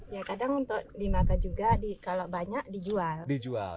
ya kadang untuk dimakan juga kalau banyak dijual